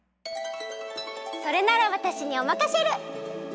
それならわたしにおまかシェル！